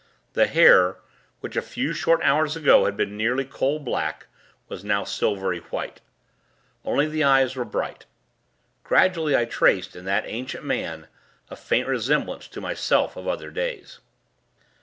The hair which a few short hours ago had been nearly coal black was now silvery white. Only the eyes were bright. Gradually, I traced, in that ancient man, a faint resemblance to my self of other days.